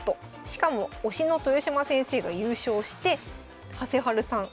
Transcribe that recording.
しかも推しの豊島先生が優勝してはせはるさん